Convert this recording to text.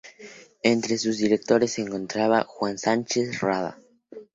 Entre sus directores se encontraba Juan Sánchez Rada.